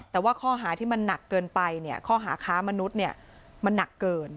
แต่ว่าข้อหาที่มันหนักเกินไปเนี่ยข้อหาค้ามนุษย์มันหนักเกิน